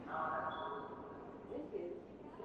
ملي او نړيوال سياسي اقتصادونه سره تړلي دي.